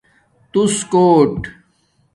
تُوس کݹٹ